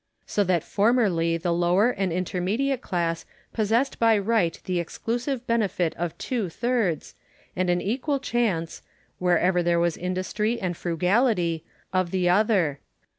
So that formerly the lower and inter mediate class possessed by right the exclusive benefit of two thirds, and an equal chance (wherever there was in dustry and frugality) of the other.